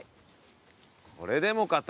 これでもかと。